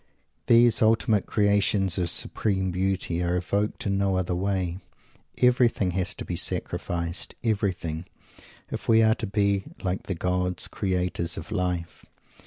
These ultimate creations of supreme Beauty are evoked in no other way. Everything has to be sacrificed everything if we are to be like the gods, _creators of Life.